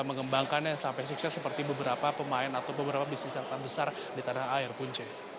mengembangkannya sampai sukses seperti beberapa pemain atau beberapa bisnis yang terbesar di tanah air punce